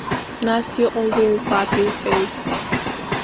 Нас иҟало убап, — иҳәеит.